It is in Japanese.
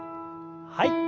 はい。